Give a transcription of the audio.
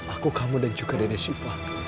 aku kamu dan juga dede syifa